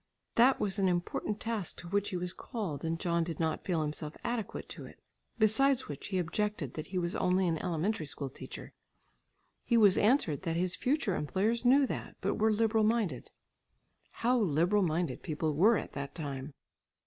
That was an important task to which he was called and John did not feel himself adequate to it; besides which he objected that he was only an elementary school teacher. He was answered that his future employers knew that, but were liberal minded. How liberal minded people were at that time!